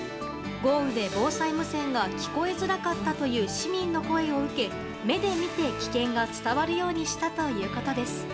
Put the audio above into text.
豪雨で防災無線が聞こえづらかったという市民の声を受け、目で見て危険が伝わるようにしたということです。